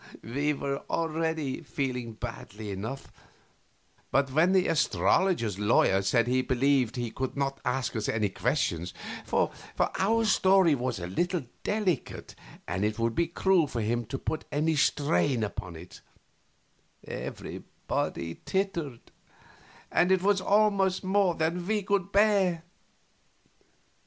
We were already feeling badly enough, but when the astrologer's lawyer said he believed he would not ask us any questions for our story was a little delicate and it would be cruel for him to put any strain upon it everybody tittered, and it was almost more than we could bear.